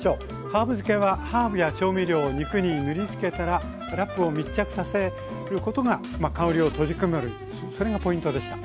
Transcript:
ハーブ漬けはハーブや調味料を肉に塗りつけたらラップを密着させることが香りを閉じ込めるそれがポイントでした。